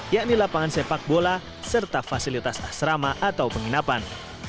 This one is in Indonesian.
yakni lapangan sepak bola serta fasilitas asrama atau penginapan